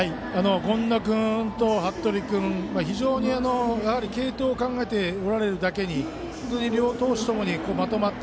権田君と服部君継投を考えておられるだけに本当に両投手ともまとまった。